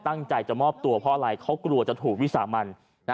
ตั้งใจจะมอบตัวเพราะอะไรเขากลัวจะถูกวิสามัน